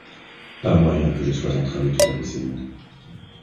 Pas moyen que je sois en train de te taper ces mots.